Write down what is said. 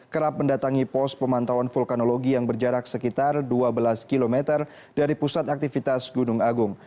kerap mendatangi pos pemantauan vulkanologi yang berjarak sekitar dua belas km dari pusat aktivitas gunung agung